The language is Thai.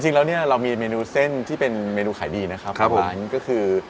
จริงแล้วเนี่ยเรามีเมนูเส้นที่เป็นเมนูขายดีนะครับครับผมก็คือ